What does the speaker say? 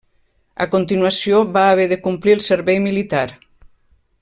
A continuació va haver de complir el servei militar.